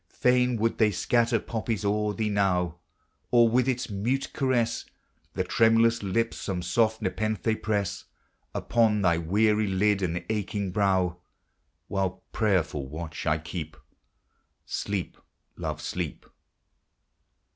Fain would they scatter poppies o'er thee now ; Or, with its mute caress, The tremulous lip some soft nepenthe press Upon thy weary lid and aching brow ; While prayerful watch I keep, Sleep, love, sleep